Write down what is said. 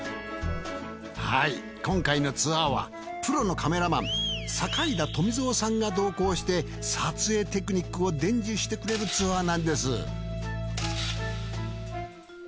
はい今回のツアーはプロのカメラマン坂井田富三さんが同行して撮影テクニックを伝授してくれるツアーなんです。